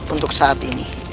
untuk saat ini